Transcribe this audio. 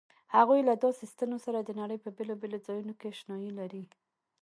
هغوی له داسې ستنو سره د نړۍ په بېلابېلو ځایونو کې آشنايي لري.